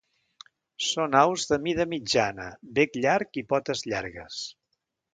Són aus de mida mitjana, bec llarg i potes llargues.